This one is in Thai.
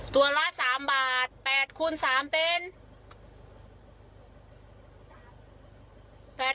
ละ๓บาท๘คูณ๓เป็น